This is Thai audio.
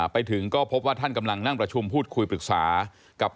ไปถึงก็พบว่าท่านกำลังนั่งประชุมพูดคุยปรึกษากับ